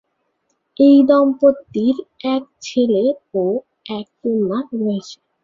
এই দম্পতির এক ছেলে ও এক কন্যা রয়েছে।